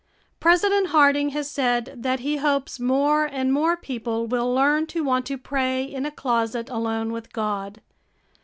President Harding has said that he hopes more and more people will learn to want to pray in a closet alone with God.